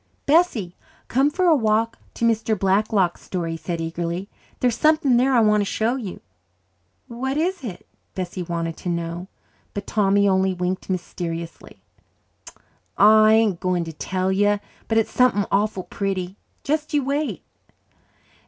"Bessie, come for a walk up to Mr. Blacklock's store," he said eagerly. "There is something there I want to show you." "What is it?" Bessie wanted to know. But Tommy only winked mysteriously. "Ah, I ain't going to tell you. But it's something awful pretty. Just you wait."